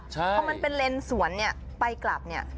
พอมันเป็นเลนสวนเนี่ยไปกลับเนี่ย